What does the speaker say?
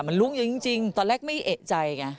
มันลุ้งอยู่จริงตอนแรกไม่เอกใจไง